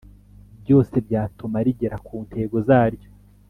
byose byatuma rigera ku ntego zaryo